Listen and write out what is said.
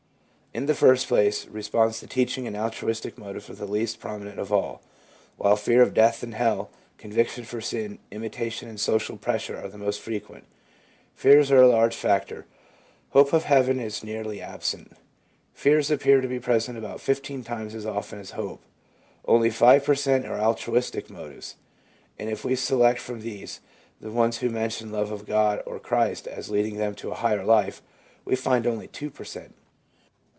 In the first place, response to teaching and altruistic motives are the least prominent of all, while fear of death and hell, conviction for sin, imitation and social pressure are the most frequent. Fears are a large factor. Hope of heaven is nearly absent. Fears appear to be present about fifteen times as often as hope. Only 5 per cent, are altruistic motives ; and if we select from these the ones who mention love of God or Christ as leading them to a higher life, w r e find only 2 per cent.